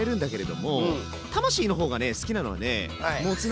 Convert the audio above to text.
魂の方が好きなのはねモツ鍋！